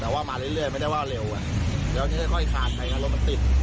แต่ว่ามาเรื่อยไม่ได้ว่าเร็วแล้วค่อยคานไปนะรถมันติด